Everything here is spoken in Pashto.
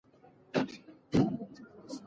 د دروغو ماڼۍ يوه ورځ ړنګېږي.